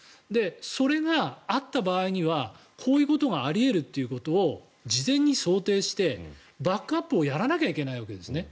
それがあった場合にはこういうことがあり得るということを事前に想定してバックアップをやらなきゃいけないわけですね。